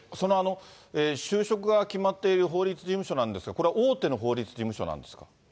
就職が決まっている法律事務所なんですが、これは大手の法律事務所なんですか？